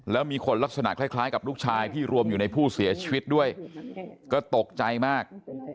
แล้วมีคนลักษณะคล้ายกับลูกชายที่รวมอยู่ในผู้เสียชีวิตด้วยก็ตกใจมาก